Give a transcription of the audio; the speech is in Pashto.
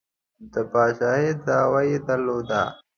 د پاچهي دعوه یې درلوده.